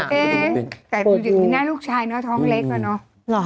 แต่หน้าลูกชายเนอะท้องเล็กกว่าเนอะ